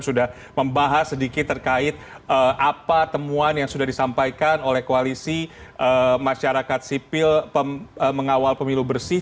sudah membahas sedikit terkait apa temuan yang sudah disampaikan oleh koalisi masyarakat sipil mengawal pemilu bersih